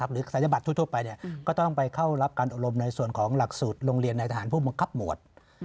ศัยบัตรทั่วไปก็ต้องไปเข้ารับการอบรมในส่วนของหลักสูตรโรงเรียนในทหารผู้บังคับหมวด